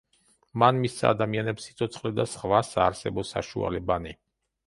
მან მისცა ადამიანებს სიცოცხლე და სხვა საარსებო საშუალებანი.